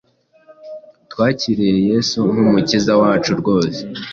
twakiriye Yesu nk’umukiza wacu rwose,